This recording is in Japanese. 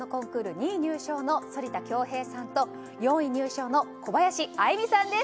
２位入賞の反田恭平さんと４位入賞の小林愛実さんです！